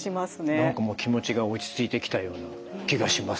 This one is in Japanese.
何かもう気持ちが落ち着いてきたような気がします。